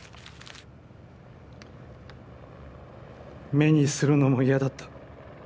目にするのも嫌だった。